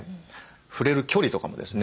触れる距離とかもですね